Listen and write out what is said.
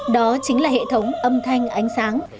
đó chính là hệ thống âm thanh ánh sáng